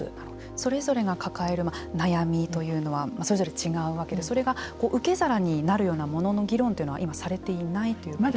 それぞれが抱える悩みというのはそれぞれ違うわけで受け皿になるようなものの議論というのは今、されていないということですか。